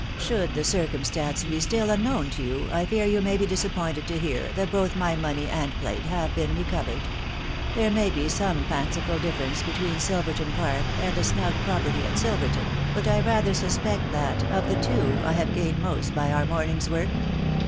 ..• Should the circumstance be still unknown to you, I fear you may be disappointed to hear that both my money and plate have been recovered. There may be some fanciful difference between Silverton Park and a snug property at Silverton, .... but I rather suspect that, of the two, I have gained most by our mornings work.